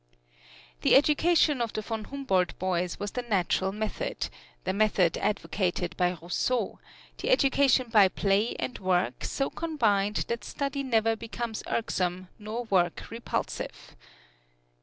The education of the von Humboldt boys was the Natural Method the method advocated by Rousseau the education by play and work so combined that study never becomes irksome nor work repulsive.